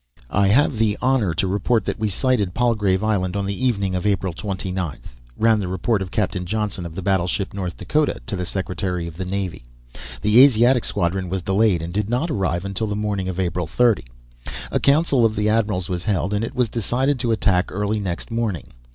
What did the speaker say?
"I have the honour to report that we sighted Palgrave Island on the evening of April 29," ran the report of Captain Johnson, of the battleship North Dakota, to the Secretary of the Navy. "The Asiatic Squadron was delayed and did not arrive until the morning of April 30. A council of the admirals was held, and it was decided to attack early next morning.